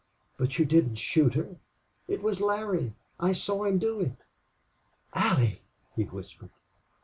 But you didn't shoot her. It was Larry. I saw him do it." "Allie!" he whispered.